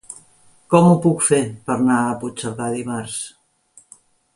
Com ho puc fer per anar a Puigcerdà dimarts?